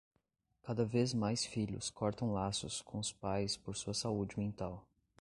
Cada vez mais filhos cortam laços com os pais por sua saúde mental